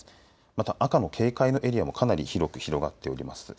また赤の警戒のエリアもかなり広く広がっております。